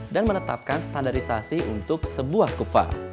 dan menetapkan standarisasi untuk sebuah kuva